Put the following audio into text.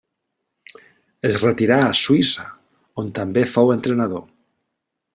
Es retirà a Suïssa, on també fou entrenador.